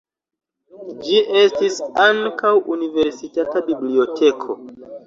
Ĝi estis ankaŭ universitata biblioteko.